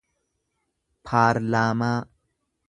paarlaamaa